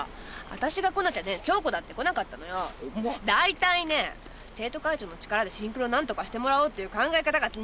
大体ね生徒会長の力でシンクロ何とかしてもらおうっていう考え方が気に入らないのよ。